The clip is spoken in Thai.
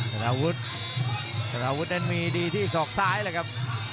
คาทาวุดคาทาวุดนั้นมีดีดีที่ซอกซ้ายละครับ